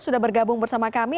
sudah bergabung bersama kami